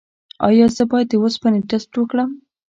ایا زه باید د اوسپنې ټسټ وکړم؟